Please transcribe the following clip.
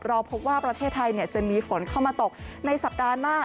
เราพบว่าประเทศไทยจะมีฝนเข้ามาตกในสัปดาห์หน้า